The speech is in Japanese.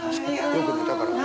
よく寝たから。